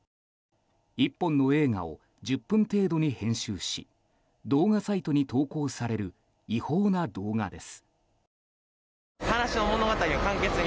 １本の映画を１０分程度に編集し動画サイトに投稿される違法な動画です。